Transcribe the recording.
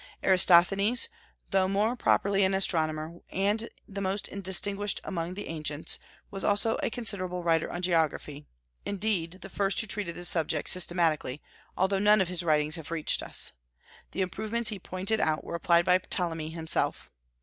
Eratosthenes, though more properly an astronomer, and the most distinguished among the ancients, was also a considerable writer on geography, indeed, the first who treated the subject systematically, although none of his writings have reached us. The improvements he pointed out were applied by Ptolemy himself.